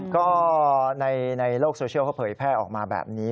ก็ในโลกโซเชียลเขาเผยแพร่ออกมาแบบนี้